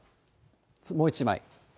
もう１枚。